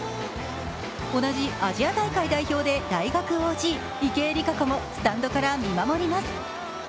同じアジア大会代表で大学ＯＧ、池江璃花子もスタンドから見守ります。